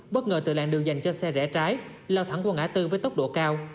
bất ngờ từ làng đường dành cho xe rẽ trái lao thẳng qua ngã tư với tốc độ cao